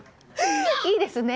いいですね